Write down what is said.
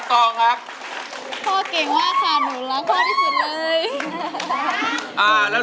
ล้อมได้ให้ร้าน